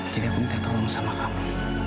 jadi aku minta tolong sama kamu